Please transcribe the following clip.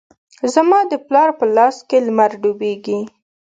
زما د پلار په لاس کې لمر ډوبیږې